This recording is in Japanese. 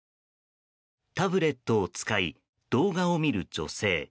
タブレットを使い動画を見る女性。